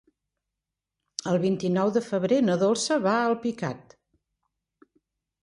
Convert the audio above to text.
El vint-i-nou de febrer na Dolça va a Alpicat.